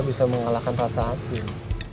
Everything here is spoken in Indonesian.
bisa mengalahkan rasa asin